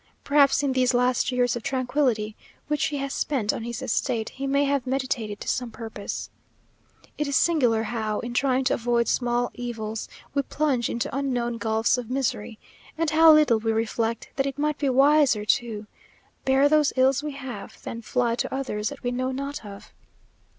Perhaps in these last years of tranquillity, which he has spent on his estate, he may have meditated to some purpose. It is singular how, in trying to avoid small evils, we plunge into unknown gulfs of misery; and how little we reflect that it might be wiser to "Bear those ills we have, Than fly to others that we know not of."